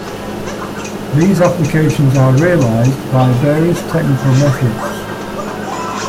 These applications are realized by various technical methods.